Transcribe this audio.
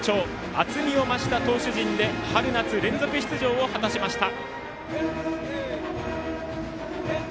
厚みを増した投手陣で春夏連続出場を果たしました。